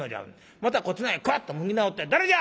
またこっちの方へカッと向き直って『誰じゃ？